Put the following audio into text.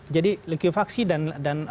jadi likuifaksi dan